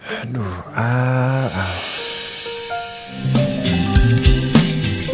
aku mau ngajak